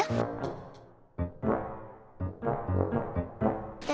tenang aja kok azril simpen